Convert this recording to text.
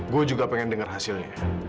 gue juga pengen dengar hasilnya